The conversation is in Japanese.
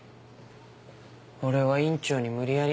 俺は院長に無理やり。